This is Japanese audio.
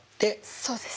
そうです。